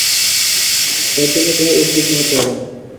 এর জন্য তোমায় উদ্বিগ্ন হতে হবে না।